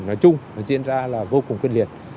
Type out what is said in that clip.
nói chung diễn ra là vô cùng quyết liệt